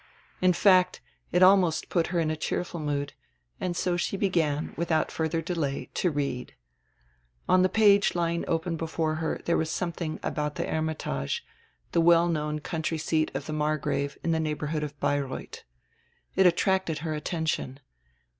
In fact, it almost put her in a cheerful mood, and so she began, with out further delay, to read. On die page lying open before her there was something about the "Hermitage," the well known country seat of the Margrave in the neighborhood of Beireuth. It attracted her attention.